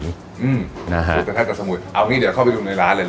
อืมสูตรกับสมุทรเอานี่เดี๋ยวเข้าไปดูในร้านเลยนะครับ